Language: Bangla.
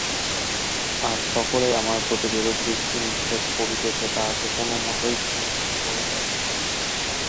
আর-সকলেই আমার প্রতি যেরূপ দৃষ্টিনিক্ষেপ করিতেছে তাহাকে কোনোমতেই শুভদৃষ্টি বলা চলে না।